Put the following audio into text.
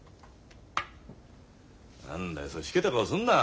何だよそうしけた顔すんな。